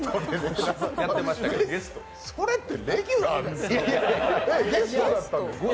それってレギュラーですよね。